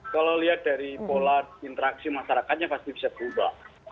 kalau lihat dari pola interaksi masyarakatnya pasti bisa berubah